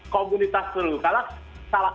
komunitas seluruh karena